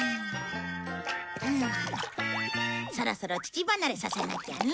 そろそろ乳離れさせなきゃね。